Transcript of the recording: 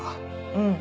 うん。